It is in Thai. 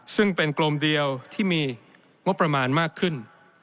ซึ่งเป็นกลมเดียวที่มีงบประมาณมากขึ้น